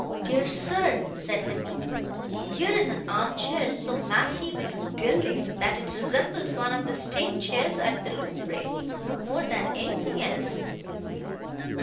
"Dear sir!" said Henri, "here is an arm chair so massy with gilding, that it resembles one of the state chairs at the Louvre, more then anything else."